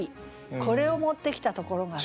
これを持ってきたところがね。